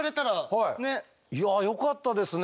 いやよかったですね。